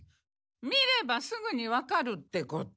見ればすぐにわかるってこと。